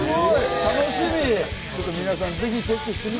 楽しみ！